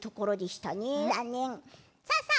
さあさあ